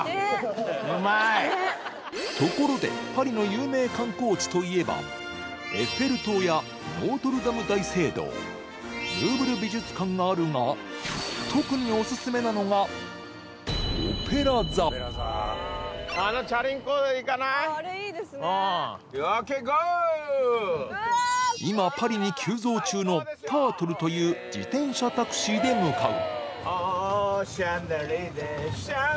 ところでパリの有名観光地といえばエッフェル塔やノートルダム大聖堂ルーブル美術館があるが今パリに急増中のタートルという自転車タクシーで向かう